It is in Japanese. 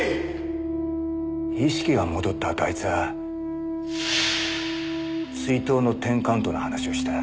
意識が戻ったあとあいつは追悼のテンカウントの話をした。